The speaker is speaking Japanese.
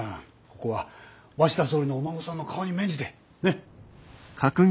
ここは鷲田総理のお孫さんの顔に免じてね。